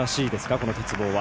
この鉄棒は。